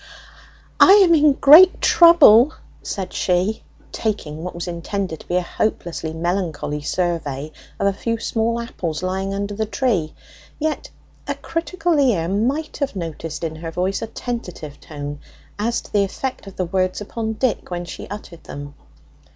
"I am in great trouble," said she, taking what was intended to be a hopelessly melancholy survey of a few small apples lying under the tree; yet a critical ear might have noticed in her voice a tentative tone as to the effect of the words upon Dick when she uttered them.